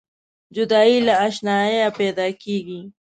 جدایي له اشناییه پیداکیږي.